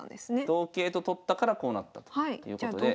同桂と取ったからこうなったということで。